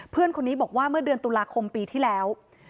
เพื่อนคนนี้บอกว่าเมื่อเดือนตุลาคมปีที่แล้ว